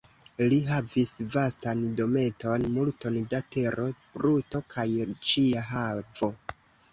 Li havis vastan dometon, multon da tero, bruto kaj ĉia havo.